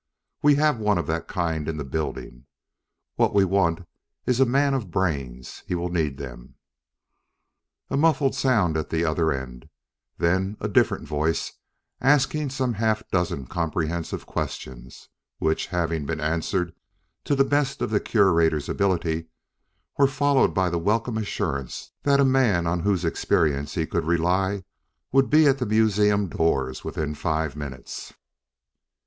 We have one of that kind in the building. What we want is a man of brains; he will need them." A muffled sound at the other end then a different voice asking some half dozen comprehensive questions which, having been answered to the best of the Curator's ability, were followed by the welcome assurance that a man on whose experience he could rely would be at the museum doors within five minutes.